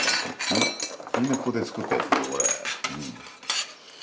みんなここで作ったやつだよこれ。